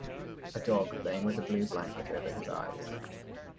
A dog laying with a blue blanket over his eyes.